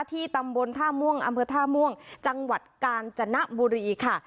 ที่ตำบลท่าม่วงอำเภอท่าม่วงจังหวัดกาญจนบุรีค่ะ